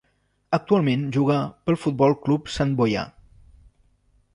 Actualment juga pel Futbol Club Santboià.